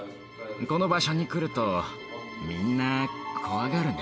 この場所に来るとみんな怖がるね。